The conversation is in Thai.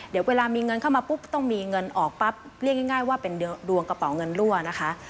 เดี๋ยวเวลามีเงินเข้ามาปุ๊บต้องมีเงินออกปั๊บเรียกง่ายว่าเป็นดวงกระเป๋าเงินรั่วนะคะ